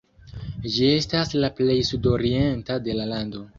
Ĝi estas la plej sudorienta de la lando.